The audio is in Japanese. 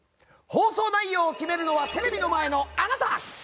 放送内容を決めるのはテレビの前のあなた！